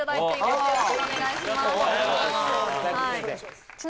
よろしくお願いします